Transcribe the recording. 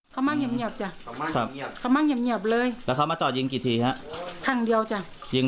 เขามาเงียบเลยแล้วเขามาต่อยิงกี่ทีครับทางเดียวจ้ะยิง